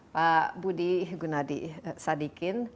pak budi gunadi sadikin